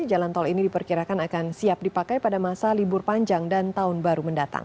jalan tol ini diperkirakan akan siap dipakai pada masa libur panjang dan tahun baru mendatang